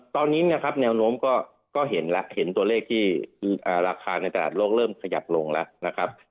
ตอนนี้นะครับแนวโน้มก็เห็นแล้วเห็นตัวเลขที่ราคาในตลาดโลกเริ่มขยับลงแล้วนะครับ